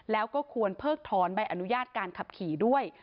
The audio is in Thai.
แล้วก็ควรเพิกถอนใบอนุญาตการขับขี่ด้วย